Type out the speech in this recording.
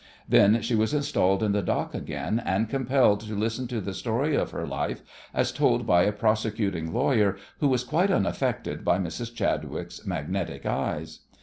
Then she was installed in the dock again, and compelled to listen to the story of her life as told by a prosecuting lawyer, who was quite unaffected by Mrs. Chadwick's "magnetic eyes."